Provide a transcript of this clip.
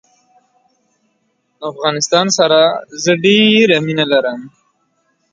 This includes hardware inventory, software inventory, and configuration settings.